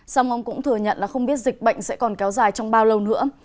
xong ông cũng thừa nhận là không biết dịch bệnh sẽ còn kéo dài trong bao lâu nữa